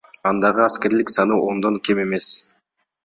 Андагы аскерлердин саны ондон кем эмес.